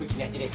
begini aja deh